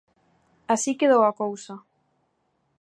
Así quedou a cousa.